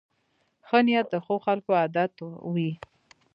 ښه نیت د ښو خلکو عادت وي.